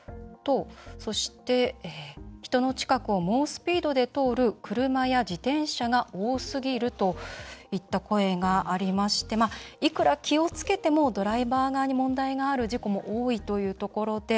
そして、人の近くを猛スピードで通る車や自転車が多すぎるといった声がありましていくら気をつけてもドライバー側に問題がある事故も多いということで。